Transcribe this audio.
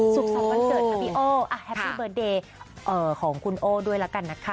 สรรวันเกิดค่ะพี่โอ้แฮปปี้เบิร์ตเดย์ของคุณโอ้ด้วยละกันนะคะ